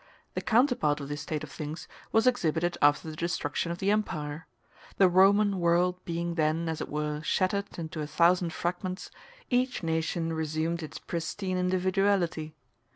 The counterpart of this state of things was exhibited after the destruction of the empire. The Roman world being then as it were shattered into a thousand fragments, each nation resumed its pristine individuality.